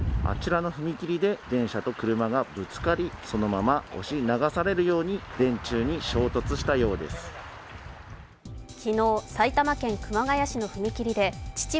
あちらの踏切で電車と車がぶつかり、そのまま押し流されるように電柱に衝突したようです。